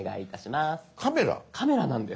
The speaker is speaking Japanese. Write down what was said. ⁉カメラなんです。